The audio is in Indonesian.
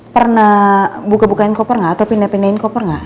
pernah buka bukain koper nggak atau pindah pindahin koper nggak